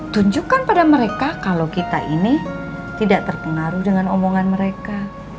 tunjukkan pada mereka kalau kita ini tidak terpengaruh dengan omongan mereka